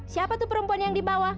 siapa tuh perempuan yang dibawa